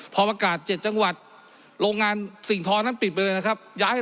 พอประกาศ๗จังหวัดโรงงานสิ่งทอนั้นปิดไปเลยนะครับย้ายให้